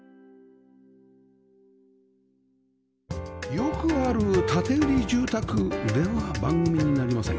よくある建売住宅では番組になりません